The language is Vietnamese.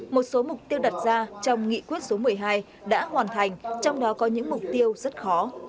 một số mục tiêu đặt ra trong nghị quyết số một mươi hai đã hoàn thành trong đó có những mục tiêu rất khó